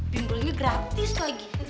bimbulnya gratis lagi